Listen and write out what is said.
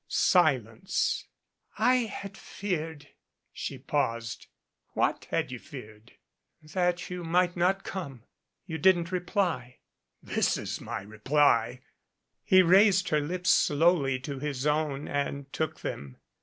Silence. "I had feared " she paused. 334 DUO "What had you feared?" "That you might not come. You didn't reply " "This is my reply." He raised her lips slowly to his own and took them.